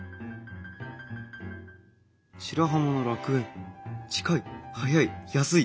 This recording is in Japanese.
白浜の楽園「近い・早い・安い。